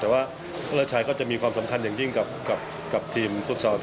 แต่ว่าเลิศชัยก็จะมีความสำคัญอย่างยิ่งกับทีมฟุตซอล